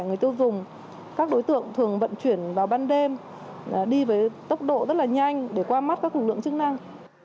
người tiêu dùng các đối tượng thường vận chuyển vào ban đêm đi với tốc độ rất là nhanh để qua mắt các lực lượng chức năng